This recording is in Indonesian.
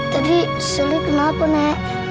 tadi suri kenapa nek